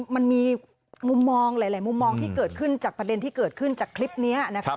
มันมีมุมมองหลายมุมมองที่เกิดขึ้นจากประเด็นที่เกิดขึ้นจากคลิปนี้นะครับ